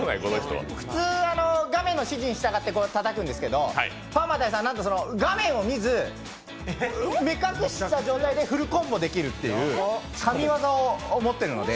普通は画面の指示に従ってたたくんですけどもパーマ大佐はなんと、画面を見ず、目隠しした状態でフルコンボできるという神業を持っているので。